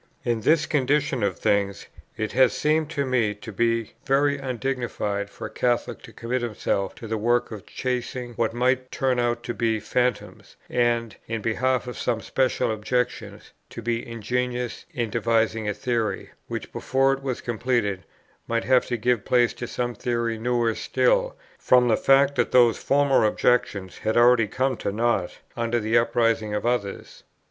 In this condition of things, it has seemed to me to be very undignified for a Catholic to commit himself to the work of chasing what might turn out to be phantoms, and, in behalf of some special objections, to be ingenious in devising a theory, which, before it was completed, might have to give place to some theory newer still, from the fact that those former objections had already come to nought under the uprising of others.